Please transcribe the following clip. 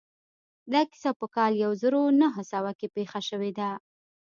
دا کيسه په کال يو زر و نهه سوه کې پېښه شوې ده.